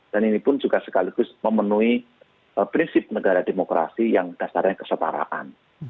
dan ini pun juga sekaligus memenuhi prinsip negara demokrasi yang dasarnya kesetaraan